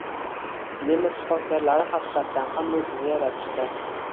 Nemis shifokorlari haqiqatdan ham mo``jiza yaratishdi